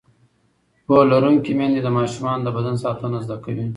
پوهه لرونکې میندې د ماشومانو د بدن ساتنه زده کوي.